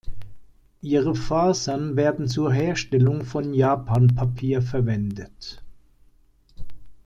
Ihre Fasern werden zur Herstellung von Japanpapier verwendet.